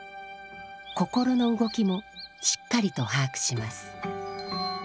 心の動きもしっかりと把握します。